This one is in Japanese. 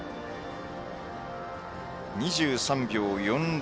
２３秒４６。